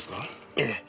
ええ。